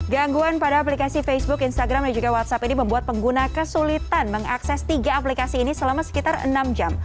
gangguan pada aplikasi facebook instagram dan juga whatsapp ini membuat pengguna kesulitan mengakses tiga aplikasi ini selama sekitar enam jam